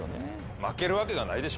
負けるわけがないでしょ。